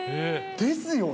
ですよね。